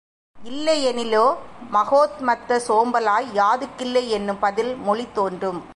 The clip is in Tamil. இல்லையென்னிலோ மகோத்மத்தச் சோம்பலால் யாதுக்கில்லையென்னும் பதில் மொழித்தோன்றும்.